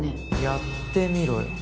やってみろよ。